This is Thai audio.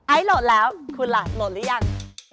ไอล์โหลดแล้วคุณหลัดโหลดหรือยัง